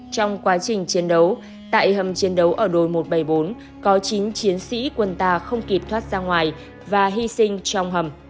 trong quá trình chiến đấu tại hầm chiến đấu ở đội một trăm bảy mươi bốn có chín chiến sĩ quân ta không kịp thoát ra ngoài và hy sinh trong hầm